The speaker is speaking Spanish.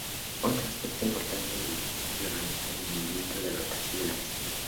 Otro aspecto importante de diseño radica en el movimiento de rotación de la mesa.